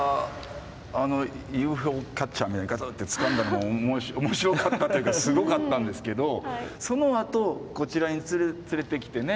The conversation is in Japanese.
あのＵＦＯキャッチャーみたいにガチャッてつかんだのも面白かったというかすごかったんですけどそのあとこちらに連れてきてね